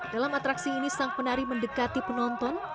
dalam atraksi ini sang penari mendekati penonton